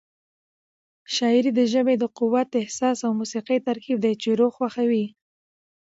شاعري د ژبې د قوت، احساس او موسيقۍ ترکیب دی چې روح خوښوي.